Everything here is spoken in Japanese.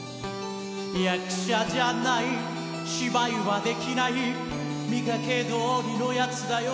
役者じゃない芝居はできない見かけ通りのヤツだよ